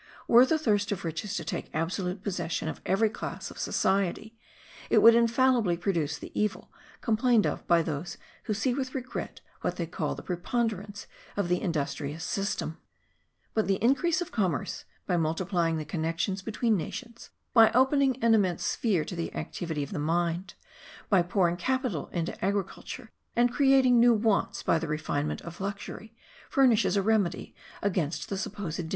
Were the thirst of riches to take absolute possession of every class of society, it would infallibly produce the evil complained of by those who see with regret what they call the preponderance of the industrious system; but the increase of commerce, by multiplying the connections between nations, by opening an immense sphere to the activity of the mind, by pouring capital into agriculture, and creating new wants by the refinement of luxury, furnishes a remedy against the supposed dangers.